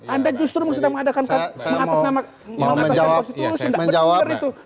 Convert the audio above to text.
anda justru mengatakan konstitusi